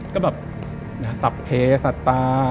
ก็แบบสับเพยรสตรา